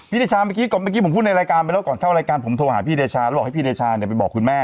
เดชาเมื่อกี้ก่อนเมื่อกี้ผมพูดในรายการไปแล้วก่อนเข้ารายการผมโทรหาพี่เดชาแล้วบอกให้พี่เดชาเนี่ยไปบอกคุณแม่